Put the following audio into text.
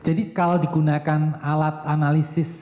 jadi kalau digunakan alat analisis